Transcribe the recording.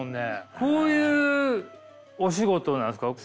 こういうお仕事なんですか？